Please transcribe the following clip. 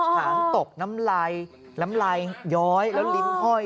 ถังตกน้ำไรน้ำไรย้อยแล้วลิ้มห้อย